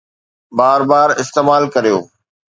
بار بار استعمال ڪريو